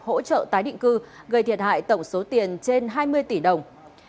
hỗ trợ tái định cư gây thiệt hại tổng số tiền trên hai mươi tỷ đồng